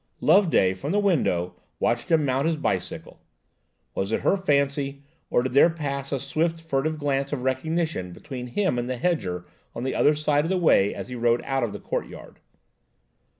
Loveday, from the window, watched him mount his bicycle. Was it her fancy, or did there pass a swift, furtive glance of recognition between him and the hedger on the other side of the way as he rode out of the court yard?